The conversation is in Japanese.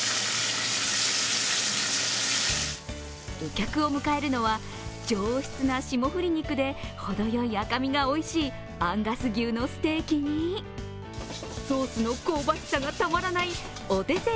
お客を迎えるのは、上質な霜降り肉で程よい赤身がおいしいアンガス牛のステーキにソースの香ばしさがたまらないお手製